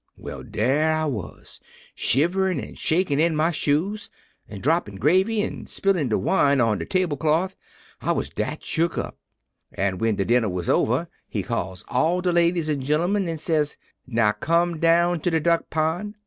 "Well, dar I was shiverin' an' shakin' in my shoes, an' droppin' gravy an' spillin' de wine on de table cloth, I was dat shuck up; an' when de dinner was ober he calls all de ladies an' gemmen, an' says, 'Now come down to de duck pond.